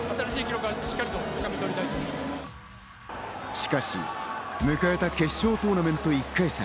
しかし、迎えた決勝トーナメント１回戦。